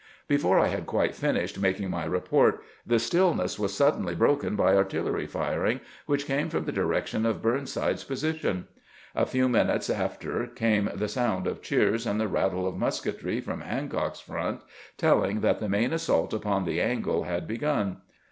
Before I had quite finished making my re port the stillness was suddenly broken by artillery firing, which came from the direction of Burnside's posi tion. A few minutes after came the sound of cheers and the rattle of musketry from Hancock's front, telling that the main assault upon the "angle" had begun.